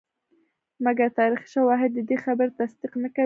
مګر تاریخي شواهد ددې خبرې تصدیق نه کوي.